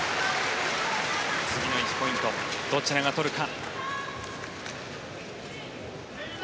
次の１ポイントどちらが取るか。